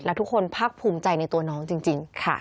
และทุกคนภาคภูมิใจในตัวน้องจริงค่ะ